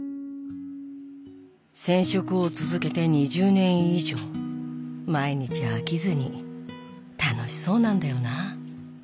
染色を続けて２０年以上毎日飽きずに楽しそうなんだよな。